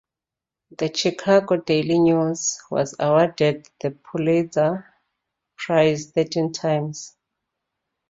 The "Chicago Daily News" was awarded the Pulitzer Prize thirteen times.